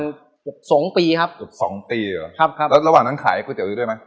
แล้วระหว่างนั้นขายก๋วยเตี๋ยวด้วยไหม